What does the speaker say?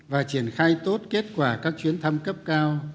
và triển khai tốt kết quả các chuyến thăm cấp cao